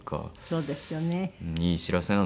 そうですよね。